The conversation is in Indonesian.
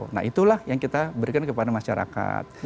nah itulah yang kita berikan kepada masyarakat